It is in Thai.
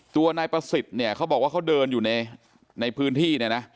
ตัวนายประสิทธิ์เขาบอกว่าเขาเดินอยู่ในพื้นที่